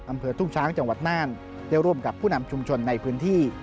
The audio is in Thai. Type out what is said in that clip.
อำเภอทุ่งช้างจังหวัดน่านได้ร่วมกับผู้นำชุมชนในพื้นที่